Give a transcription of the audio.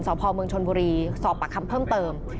พ่อเมืองชนบุรีสอบปากคำเพิ่มเติม